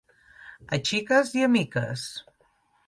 A xiques i a miques.